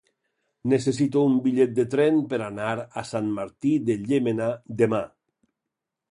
Necessito un bitllet de tren per anar a Sant Martí de Llémena demà.